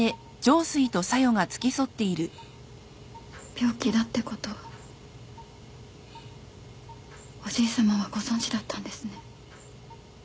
病気だってことおじいさまはご存じだったんですね。